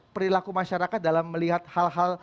perilaku masyarakat dalam melihat hal hal